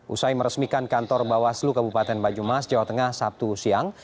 usai meresmikan kantor bawaslu kabupaten banyumas jawa tengah sabtu siang